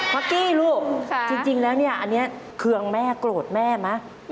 ็อกกี้ลูกจริงแล้วเนี่ยอันนี้เคืองแม่โกรธแม่ไหม